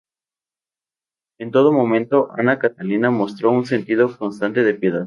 En todo momento, Ana Catalina mostró un sentido constante de piedad.